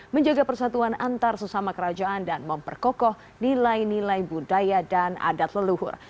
menjaga persatuan antar sesama kerajaan dan memperkokoh nilai nilai budaya dan adat leluhur